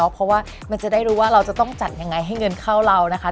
เพราะว่ามันจะได้รู้ว่าเราจะต้องจัดยังไงให้เงินเข้าเรานะคะ